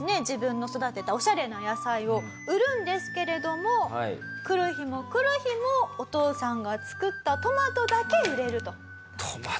自分の育てたオシャレな野菜を売るんですけれども来る日も来る日もお父さんが作ったトマトだけ売れると。